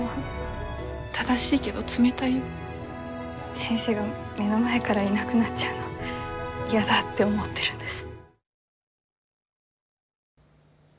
先生が目の前からいなくなっちゃうのやだって思ってるんです。